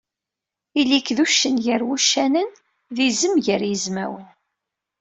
Ili-k d uccen gar wuccanen, d izem gar yizmawen